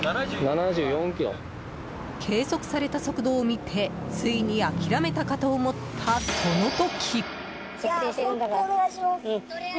計測された速度を見てついに諦めたかと思ったその時。